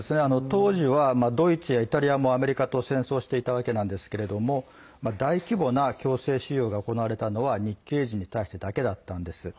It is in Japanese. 当時はドイツやイタリアもアメリカと戦争していたわけなんですけども大規模な強制収容が行われたのは日系人に対してだけだったんです。